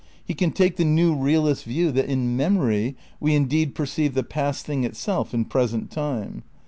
He can take the new realist's view that in memory we indeed per ceive the past thing itself in present time.